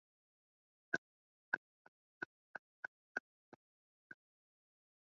unaona utakuja kujulikana maybe uchuguzi unafanyika